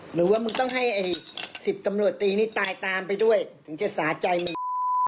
หรือว่ามึงต้องให้ไอ้๑๐ตำรวจตีนี่ตายตามไปด้วยถึงจะสาใจมึง